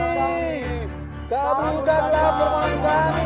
kaburkanlah permohonan kami